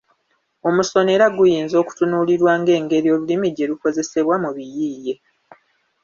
Omusono era guyinza okutunuulirwa ng'engeri olulimi gye lukozesebwa mu biyiiye.